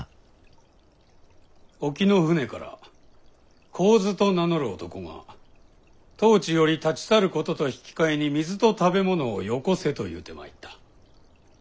沖の船から神頭と名乗る男が当地より立ち去ることと引き換えに水と食べ物をよこせと言うてまいった。